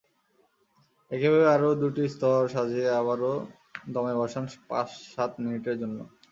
একইভাবে আরও দুটি স্তর সাজিয়ে আবারও দমে বসান পাঁচ-সাত মিনিটের জন্য।